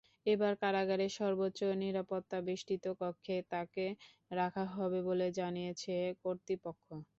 এবার কারাগারের সর্বোচ্চ নিরাপত্তাবেষ্টিত কক্ষে তাঁকে রাখা হবে বলে জানিয়েছে কর্তৃপক্ষ।